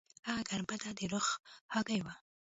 هغه ګنبده د رخ هګۍ وه.